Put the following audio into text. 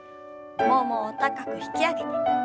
ももを高く引き上げて。